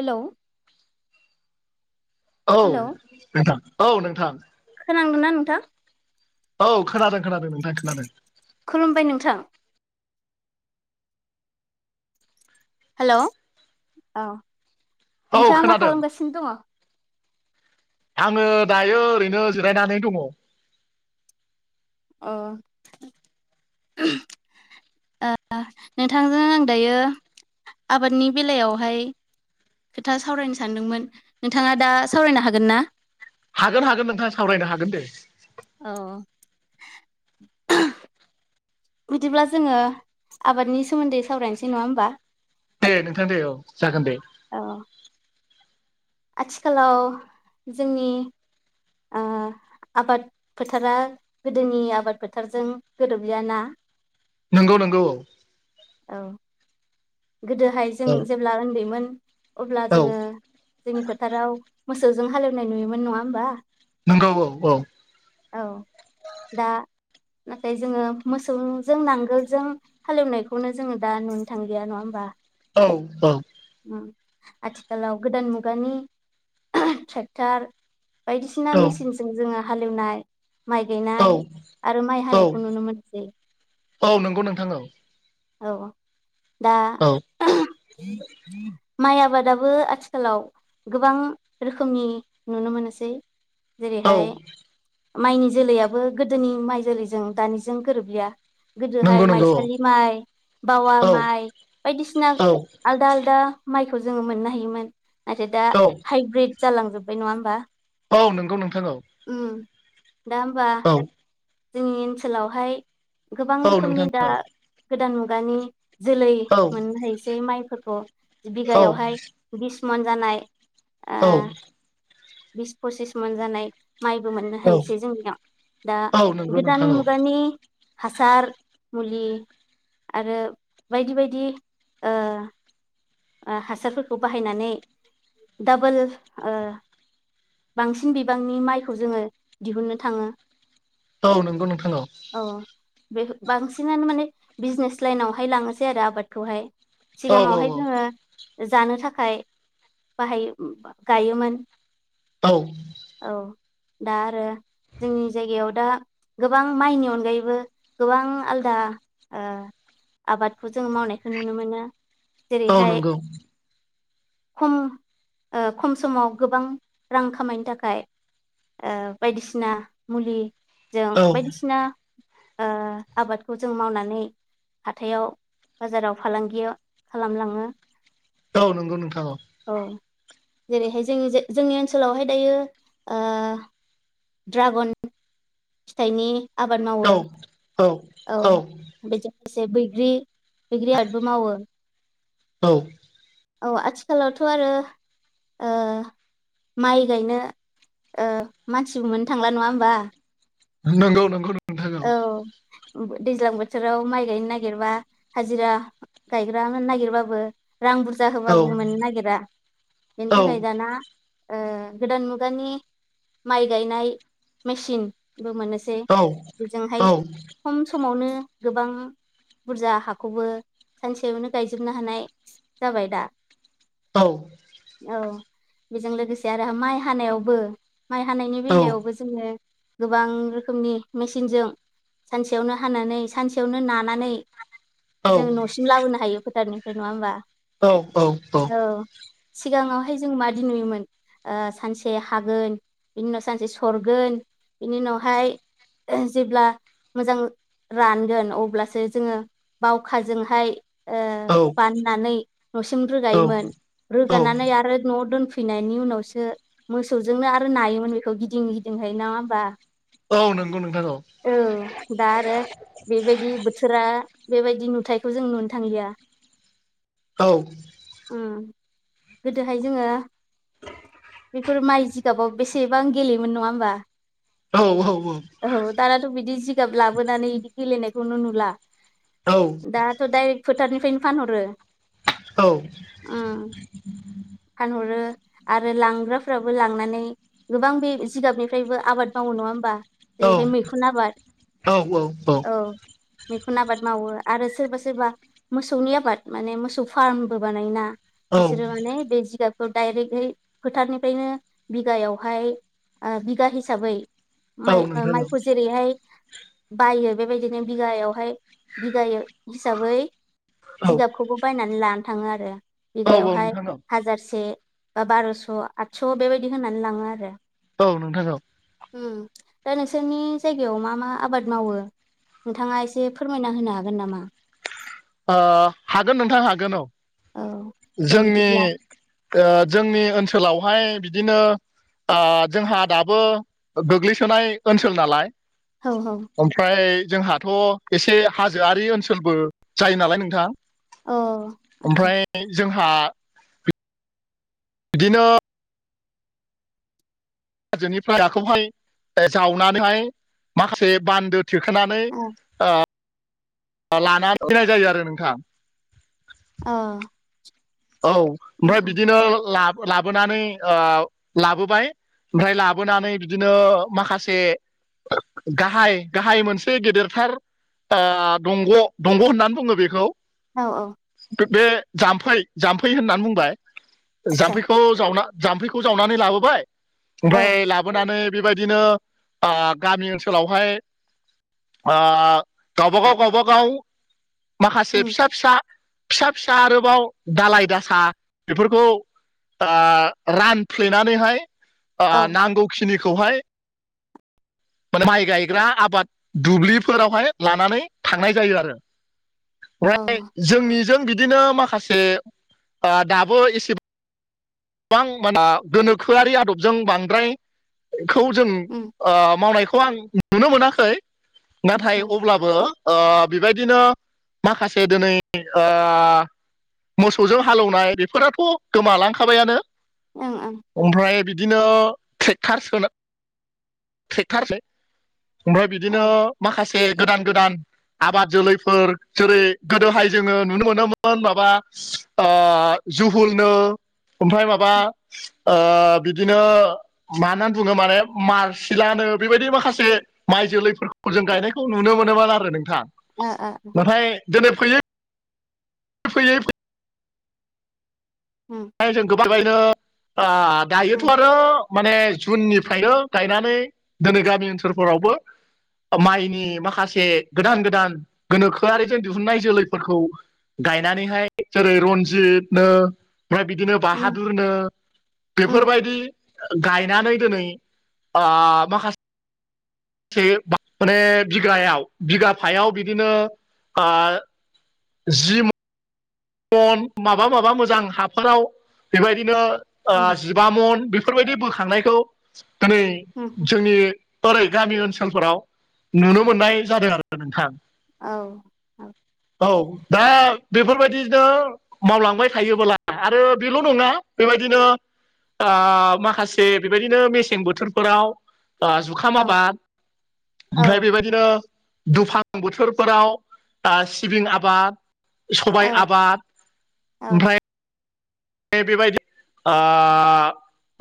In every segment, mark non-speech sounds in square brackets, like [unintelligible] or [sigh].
हेल' औ हेलौ नोंथां औ नोंथां खोनादोंना नोंथां औ खोनादों खोनादों नोंथां खोनादों खुलुमबाय नोंथां हेल' औ औ नोंथाङा मा खोनादों खालामगासिनो दङ? आङो दायो ओरैनो जिरायनानै दङ अ ओ नोंथांजों आं दायो आबादनि बेलायावहाय खोथा सावरायनो सानदोंमोन नोंथाङा दा सावरायनो हागोन ना हागोन हागोन नोंथां सावरायनो हागोन दे औ बिदिब्ला जोङो आबादनि सोमोन्दै सावरायनोसै नङा होमबा दे नोंथां दे औ जागोन दे औ आथिखालाव जोंनि ओ आबाद फोथारा गोदोनि आबाद फोथारजों गोरोबलियाना नंगौ नंगौ औ औ गोदोहाय जों औ जेब्ला उन्दैमोन अब्ला औ जोङो। जोंनि फोथाराव मोसौजों हालेवनाय नुयोमोन नङा होमबा? नोंगौ औ औ। औ दायो नाथाय जोङो मोसौजों नांगोलजों हालेवनायखौनो जोङो दा नुनो थाङो। गैया नङा होमबा? औ औ। ओ आथिखालाव गोदान मुगानि बायदिसिना मेसिनजों जोङो हालेवनाय ओ माइ औ गायनाय आरो माइ औ हानायखौ नुनो मोनसै औ नंगौ नोंथां औ औ। दा औ। [unintelligible] माइ आबादाबो आथिखालाव गोबां रोखोमनि नुनो मोनोसै। औ जेरैहाय माइनि जोलैयाबो गोदोनि माइ जोलैजों दानिजों गोरोबलिया। गोदोहाय नंगौ नंगौ माइसालि माइ बावा औ माइ बायदिसिना औ आलदा आलदा माइखौ जोङो मोननो हायोमोन नाथाय दा औ हाइब्रिद जालांजोब्बाय नङा होमबा? औ नोंगौ नोंथां औ। उम दा होनबा औ जोंनि ओनसोलावहाय गोबां औ रोखोमनि नोंथां दा औ गोदान मुगानि जोलै औ मोननो हायसै माइफोरखौ बिगायावहाय ओ बिसमन जानाय ओ बिस पसिस मन जानाय माइबो मोननो औ हायोसै जोंनियाव दायो औ नंगौ नोंथां नि हासार मुलि आरो बायदि बायदि ओ हासारफोरखौ बाहायनानै डाबोल ओ बांसिन बिबांनि माइखौ जोङो दिहुननो थाङो। औ नंगौ नोंथां औ। औ बे बांसिनानो माने बिजनेस लाइनावहाय लांनोसै आरो आबादखौहायो। औ औ सिगाङावहाय औ जोङो जानो थाखाय ओ बाहाय गायोमोन। औ। औ दा आरो जोंनि जायगायाव दा गोबां माइनि अनगायैबो गोबां आलदा ओ आबादखौ जों मावनायखौ नुनो मोनो औ जेरैहायो नंगौ ओ खम खम समाव गोबां रां खामायनो थाखाय बायदिसिना मुलिजों औ बा बायदिसिना बायसिना ओ आबादखौ जों मावनानै हाथायाव बाजाराव फालांगि खालामलाङो। औ नंगौ नोंथां औ। औ जेरैहाय जोंनि जोंनि ओनसोलावहाय दायो ओ ड्रागन फिथाइनि आबाद मावो औ औ। औ बेजों लोगोसे बैग्रि बैग्रि आबादबो मावो। औ। औ आथिखालावथ' आरो ओ माइ गायनो ओ मानसिबो मोननो थांला नङा होमबा। नंगौ नंगौ नोंथां औ दैज्लां बोथोराव माइ गायनो नागिरबा हाजिरा गायग्रानो नागिरबाबो रां बुरजा औ औ होबाबो मोननो नागिरा औ बेनि थाखाय दाना ओ गोदान मुगानि माइ गायनाय मेसिनबो मोनोसै औ औ बेजोंहाय खम समावनो गोबां बुरजा हाखौबो सानसेयावनो गायजोबनो हानाय जाबाय दा औ औ बेजों लोगोसे आरो माइ हानायावबो माइ हानायनि बेलायावबो जोङो गोबां रोखोमनि मेसिनजों सानसेयावनो हानानै सानसेयावनो नानानै जों न'सिम लाबोनो हायो फोथारनिफ्राय नङा होमबा औ औ औ सिगाङावहाय जों माबादि नुयोमोन ओ सानसे हागोन बिनि उनाव सानसे सरगोन बिनि उनावहाय जेब्ला मोजां रानगोन अब्लासो जोङो बावखाजोंहाय ओ बाननानै न'सिम रोगायोमोन रोगानानै आरो न'आव दोनफैनायनि उनावसो मोसौजोंनो आरो नायोमोन बेखौ गिदिं गिदिंहाय नङा होमबा औ नंगौ नोंथां औ औ दा आरो बेबायदि बोथोरा बेबायदि नुथायखौ जों नुनो थांलिया औ उम गोदोहाय जोङो बेफोर माइ जि गाबाव बेसेबां गेलेयोमोन नङा होनोमबा औ औ औ औ दानाथ' बिदि जिगाब लाबोनानै बिदि गेलेनायखौनो नुला औ दाथ' दाइरेक्ट फोथारनिफ्रायनो फानहरो औ फानहरो आरो लांग्राफोराबो लांनानै गोबां बे जिगाबनिफ्रायबो आबाद मावो नङा होमबा जेरैहाय मैखुन आबाद औ मैखुन आबाद मावो आरो सोरबा सोरबा मोसौनि आबाद माने मोसौ फार्मबो बानायोना बिसोरो माने बे जिगाब डायरेक्टहै फोथारनिफ्रायनो बिगायावहाय बिगा हिसाबै माइ ओ माइखौ जेरैहाय बायो बेबायदिनो बिगायावहाय बिगा हिसाबै जिगाबखौबो बायनानै लानो थाङो आरो बिगायावहाय हाजारसे बा बार'स' आदस' बेबायदि होनानै लाङो आरो औ नोंथां औ दा नोंसोरनि जायगायाव मा मा आबाद मावो नोंथाङा एसे फोरमायना होनो हागोन नामा ओ हागोन नोंथां हागोन औ दे जोंनि बिदिब्ला ओ जोंनि ओनसोलावहाय बिदिनो ओ जोंहा दाबो गोग्लैसोनाय ओनसोल नालाय औ औ ओमफ्राय जोंहाथ' एसे हाजोआरि ओनसोलबो जायो नालाय नोंथां अ ओमफ्राय जोंहा बिदिनो हाजोनि हाखौहाय जावनानैहाय माखासे बान्दो थिखोनानै औ लानानै फैनाय जायो आरो नोंथां अ औ ओमफ्राय बिदिनो लाबो लाबोनानै ओ लाबोबाय ओमफ्राय लाबोनानै बिदिनो माखासे गाहाय गाहाय मोनसे गेदेरथार ओ दंग' दंग' होननानै बुङो बेखौ। औ औ। बे जाम्फै जाम्फै होननानै बुंबाय। आदसा जाम्फैखौ जावना जाम्फैखौ जावनानै लाबोबाय औ ओमफ्राय लाब बोनानै बेबायदिनो आ गामि ओनसोलावहाय आ गावबागाव गावबागाव माखासे उम फिसा फिसा फिसा फिसा आरोबाव दालाय दासा ओ बेफोरखौ रानफ्लेनानैहाय औ आ नांगौ खिनिखौहाय माने माइ गायग्रा आबाद दुब्लिफोरावहाय लानानै थांनाय जायो आरो। औ राय जोंनिजों बिदिनो माखासे ओ दाबो एसेब बां माना गोनोखोआरि आदबजों बांद्राय खौ जों उम मावनायखौ आं नुनो मोनाखै नाथाय आदसा अब्ला बो ओ बेबायदिनो माखासे दोनै ओ मोसौजों हालेवनाय बेफोराथ' गोमालांखाबायानो। ओं ओं औ अमफ्राय बिदिनो ट्रेक्टार सोनो ट्रेक्टारसो ओमफ्राय बिदिनो ओ ओ माखासे गोदान गोदान आबाद जोलैफोर जेरै गोदोहाय जोङो नुनो मोनोमोन माबा आ जुहुलनो ओमफ्राय माबा ओ बिदिनो मा नाननै बुङो माने मार्च सिलानो बेबायदि माखासे माइ जोलैफोरखौ जों गायनायखौ नुनो मोनोमोन आरो नोंथां। नाथाय दिनै फैयै फैयै फै उम। नाय जों गोबां [unintelligible] आ दायोथ' उम आरो माने जुननिफ्रायनो गायनानै दिनै गामि ओनसोलफोरावबो ओ माइनि माखासे गोदान गोदान गोनोखोआरिजों दिहुननाय जोलैफोरखौ गायनानैहाय जेरै रनजित नो फ्राय बिदिनो उम बाहादु फोरनो उम बेफोरबायदि गायनानैै दोनै आ माखस से माने बिगायाव बिगा फायाव बिदिनो आ जि म मन माबा माबा मोजां हाफाराव बेबायदिनो आ उम जि बामन बेफोरबायदि बोखांनायखौ दोनै औ जोंनि ओरै गामि ओनसोलफोराव नुनो मोननाय जादों आरो नोंथां। औ औ औ दा बेफोरबाय बिदिनो मावलांबाय थायोबोला आरो बेल' नङा बेबायदिनो आ माखासे बेबायदिनो मेसें बोथोरफोराव जुखाम औ आबाद औ ओमफ्राय बेबायदि नो दुफां बोथोरफोराव आ सिबिं आबाद औ सबाइ आब आद ओमफ्राय फाय बेबायदि आ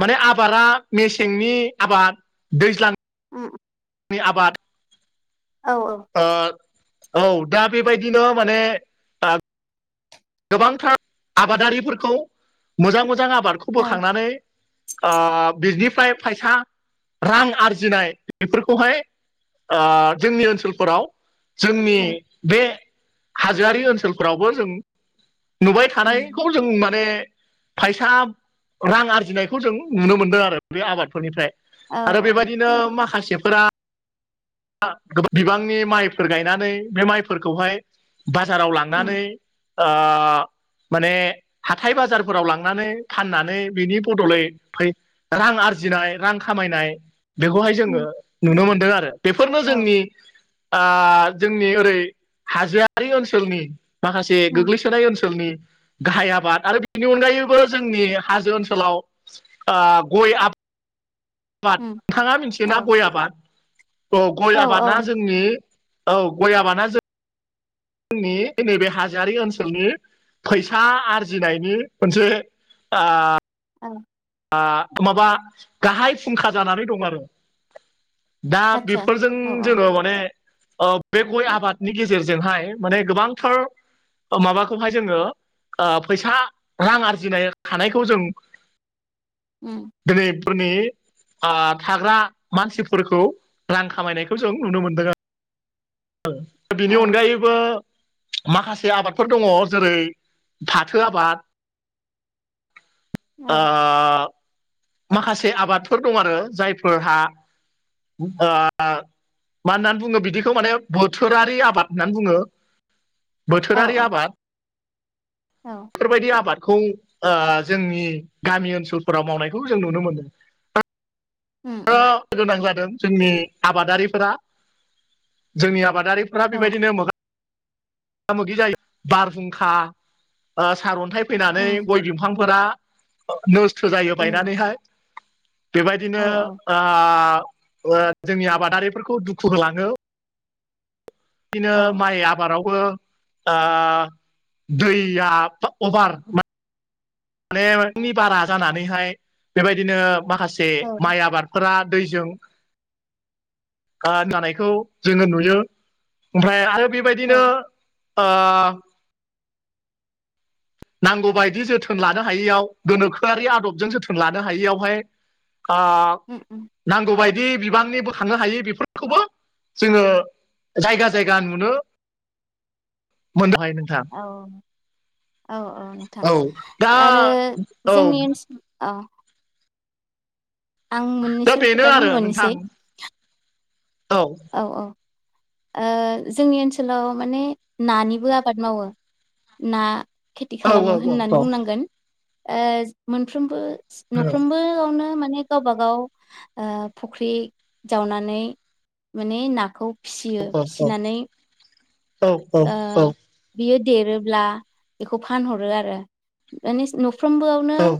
माने आबारा मेसेंनि आबाद दैज्लां उम नि आबाद औ औ। ओ औ दा बेबायदिनो माने गोबांथ्रा आबादारिफोरखौ मोजां मोजां आबारखौ बोखांनानै आ बिनिफ्राय फैसा रां आरजिनाय बेफोरखौहाय अ जोंनि ओनसोलफोराव जोंनि बे हाजोआर ओनसोलफोरावबो जों नुबाय थानायखौ जों माने फैसा रां आरजिनायखौ जों नुनो मोनदों आरो बे आबादफोरनिफ्राय आरो बेबायदिनो माखासेफोरा बां बिबांनि माइफोर गायनानै बे माइफोरखौहाय बाजाराव लांनानै आ माने हाथाय बाजारफोराव लांनानै फाननानै बिनि बदलै फै रां आरजिनाय रां खामायनाय बेखौहाय जोङो नुनो मोनदों आरो बेफोरनो जोंनि जोंनि ओरै हाजोआरि ओनसोलनि माखासे गोग्लैसोनाय ओनसोलनि गाहाय आबाद आरो बिनि अनगायैबो जोंनि हाजो ओनसोलाव गय आबाद आबाद नोंथाङा मिथियोना गय आबाद अ औ गय आबादा जों जों औ गय आबादा जों जोंनि नैबे हाजोआरि ओनसोलनि फैसा आरजिनायनि मोनसे आ औ माबा गाहाय फुंखा जानानै दं आरो दा आतसा बेफोरजों औ औ जोङो माने बे गय आबादनि गेजेरजोंहाय माने गोबांथार माबाखौहाय जोङो फैसा रां आरजिनाय हानायखौ जों उम [unintelligible] फोरनि थाग्रा मानसिफोरखौ रां खामायनायखौ जों नुनो मोनदों आरो दा औ बिनि अनगायैबो माखासे आबादफोर दङ जेरै फाथो आबाद [inaudible] आ माखासे आबादफोर दं आरो जायफोरहा मा होननानै बुङो बिदिखौ माने बोथोरारि आबाद होननानै बुङो औ बोथोरारि आबाद औ बेफोरबायदि आबादखौ जोंनि गामि ओनसोलफोराव मावनायखौ जों नुनो मोनो गोनां जादों जोंनि आबादारिफोरा जोंनि आबादारि बेबायदिनो मोगा मोगा मोगि जायो बारहुंखा सारन्थाइ फैनानै गय बिफांफोरा नस्थ' जायो बायनानैहाय बेबायदिनो जोंनि आबादारिफोरखौ दुखु होलाङो बिदिनो माइ आबादावबो दैया अभार माने नि बारा जानानैहाय बेबायदिनो माखासे माइ आबादफोरा दैजों जानायखौ जोङो नुयो ओमफ्राय आरो बेबायदिनो औ नांगौबायदि जोथोन लानो हायैयाव गोनोखोआरि आदबजों जोथोन लानो हायैयावहाय आ उम उम नांगौबायदि बिबांनिबोखांनो हायो बेफोरखौबो जोङो जायगा जायगा नुनो मोननो हायो नोंथाङा औ औ औ नोंथां दा आरो औ जोंनि ओनसोल औ आं दा मोननैसो बेनो खोथा आरो नोंथां बुंबावनोसै औ औ औ जोंनि ओनसोलाव माने नानिबो आबाद मावो ना खेथि औ खालामो औ होननानै औ औ बुंनांगोन ओ मोनफ्रोमबो न औ फ्रोमबोआवनो माने गावबा गाव ओ फुख्रि जावनानै माने नाखौ फिसियो फिसिनानै औ ओ औ बियो देरोब्ला बेखौ फानहरो आरो माने न'फ्रोमबो औ